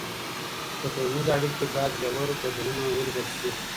په ټولنیزو اړیکو کي باید ژور بدلونونه ولیدل سي.